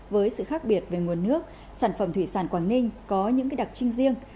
với sự khác biệt về nguồn nước sản phẩm thủy sản quảng ninh có những đặc trưng riêng